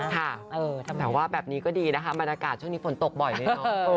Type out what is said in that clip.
ค่ะแต่ว่าแบบนี้ก็ดีนะคะบรรยากาศช่วงนี้ฝนตกบ่อยด้วยเนาะ